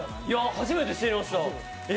初めて知りました。